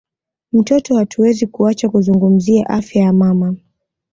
mtoto hatuwezi kuacha kuzungumzia afya ya mama